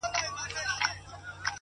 گلابي شونډي يې د بې په نوم رپيږي ـ